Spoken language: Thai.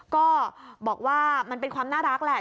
ก็บอกว่ามันเป็นความน่ารักแหละ